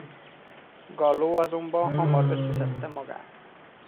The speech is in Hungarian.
Gallo azonban hamar összeszedte magát.